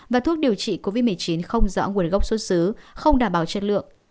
và thuốc điều trị covid một mươi chín không rõ nguồn gốc xuất xứ không đảm bảo chất lượng